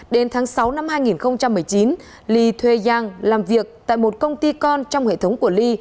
đến tháng sáu năm hai nghìn một mươi chín li thuê giang làm việc tại một công ty con trong hệ thống của li